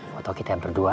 foto kita yang berdua